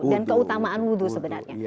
dan keutamaan wudhu sebenarnya